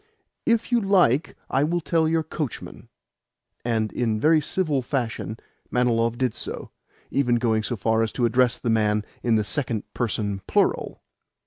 "If you like I will tell your coachman." And in very civil fashion Manilov did so, even going so far as to address the man in the second person plural.